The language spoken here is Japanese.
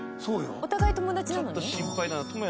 お互い友達なのに？